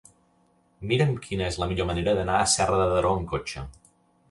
Mira'm quina és la millor manera d'anar a Serra de Daró amb cotxe.